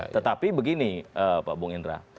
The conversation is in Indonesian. tetapi begini pak bung indra